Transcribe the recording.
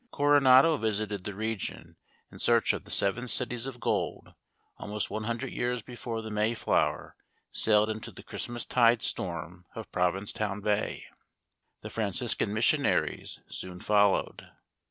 Coronado visited the region in search of the Seven Cities of Gold almost one hundred years before the May flower sailed into the Christmas tide storm of Province town Bay. The Franciscan missionaries soon followed.